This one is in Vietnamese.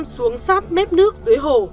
anh nam xuống sát mép nước dưới hồ